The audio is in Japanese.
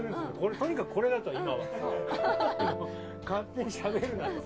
とにかくこれだから、今は。勝手にしゃべるなって。